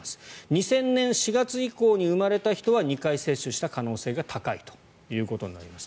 ２０００年４月以降に生まれた人は２回接種した可能性が高いということになります。